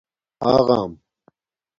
اغݳم